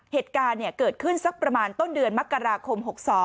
เหตุการณ์เกิดขึ้นสักประมาณต้นเดือนมกราคม๖๒